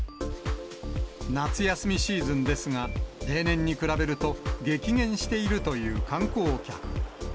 夏休みシーズンですが、例年に比べると激減しているという観光客。